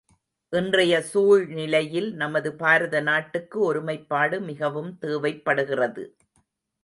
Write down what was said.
இன்றைய சூழ்நிலையில் நமது பாரத நாட்டுக்கு ஒருமைப்பாடு மிகவும் தேவைப்படுகிறது.